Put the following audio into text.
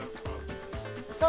さあ